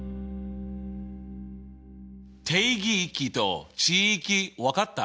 定義域と値域分かった？